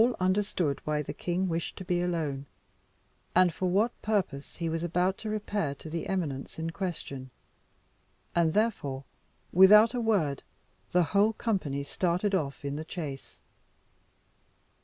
All understood why the king wished to be alone, and for what purpose he was about to repair to the eminence in question, and therefore, without a word, the whole company started off in the chase.